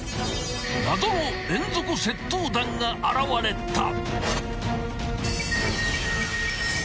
［謎の連続窃盗団が現れた］